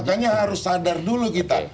makanya harus sadar dulu kita